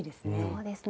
そうですね。